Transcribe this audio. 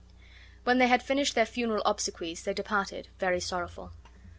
When they had finished her funeral obsequies they departed, very sorrowful.